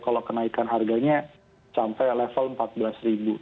kalau kenaikan harganya sampai level rp empat belas ribu